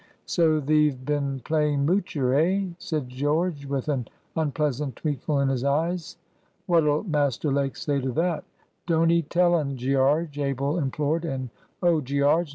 "So thee've been playing moocher, eh?" said George, with an unpleasant twinkle in his eyes. "What'll Master Lake say to that?" "Don't 'ee tell un, Gearge!" Abel implored; "and, O Gearge!